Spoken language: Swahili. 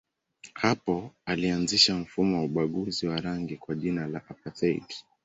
Hapo ilianzisha mfumo wa ubaguzi wa rangi kwa jina la apartheid.